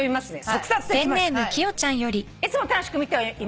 「いつも楽しく見ています」